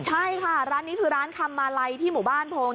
ใช่ค่ะร้านนี้คือร้านคำมาลัยที่หมู่บ้านโพง